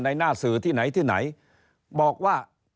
หน้าสื่อที่ไหนที่ไหนบอกว่า